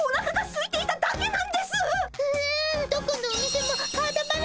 うん？